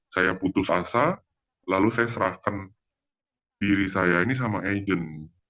saya putus asa lalu saya serahkan diri saya ini sama agent